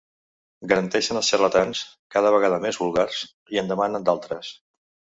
Garanteixen els xarlatans, cada vegada més vulgars, i en demanen d'altres.